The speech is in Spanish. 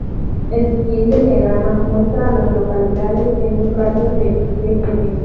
El siguiente diagrama muestra a las localidades en un radio de de Eden.